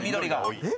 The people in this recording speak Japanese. えっ？